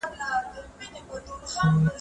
تمرین وکړئ تر څو عادت سي.